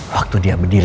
waktu dia berdiri